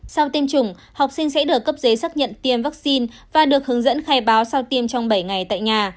sau tiêm chủng học sinh sẽ được cấp giấy xác nhận tiêm vaccine và được hướng dẫn khai báo sau tiêm trong bảy ngày tại nhà